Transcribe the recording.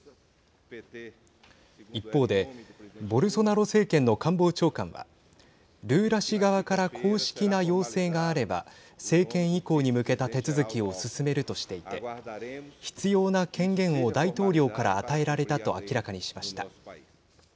一方でボルソナロ政権の官房長官はルーラ氏側から公式な要請があれば政権移行に向けた手続きを進めるとしていて必要な権限を大統領から与えられたと明らかにしました。